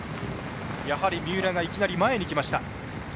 やはり、三浦がいきなり前にきました。